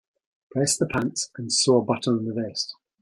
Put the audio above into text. Press the pants and sew a button on the vest.